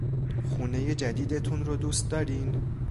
خونهی جدیدتون رو دوست دارین؟